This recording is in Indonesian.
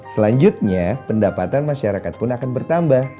selanjutnya pendapatan masyarakat pun akan bertambah